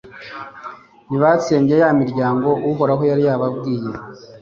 ntibatsembye ya miryangouhoraho yari yababwiye